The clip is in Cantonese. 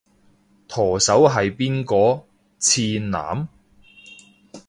舵手係邊個？次男？